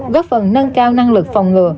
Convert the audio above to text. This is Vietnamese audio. góp phần nâng cao năng lực phòng ngừa